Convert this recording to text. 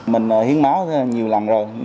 mình hiến máu nhiều lần rồi